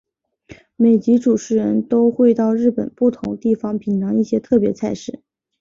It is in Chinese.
每集主持人都会到日本不同地方品尝一些特别菜式。